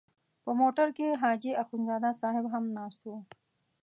په موټر کې حاجي اخندزاده صاحب هم ناست و.